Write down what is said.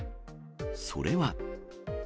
それは。